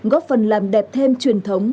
góp phần làm đẹp thêm truyền thống